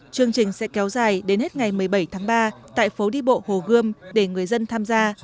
chương trình sẽ kéo dài đến hết ngày một mươi bảy tháng ba tại phố đi bộ hồ gươm để người dân tham gia